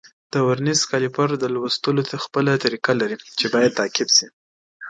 د ورنیز کالیپر د لوستلو خپله طریقه لري چې باید تعقیب شي.